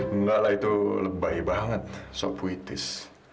enggaklah itu lebay banget sob puitis